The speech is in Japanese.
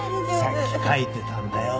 さっき書いてたんだよ